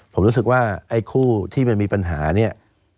ผมรู้สึกว่าไอ้คู่ที่มันมีปัญหาเนี่ย